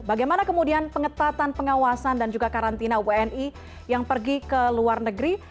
bagaimana kemudian pengetatan pengawasan dan juga karantina wni yang pergi ke luar negeri